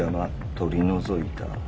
取り除いた」。